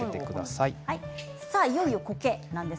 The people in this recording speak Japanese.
いよいよこけです。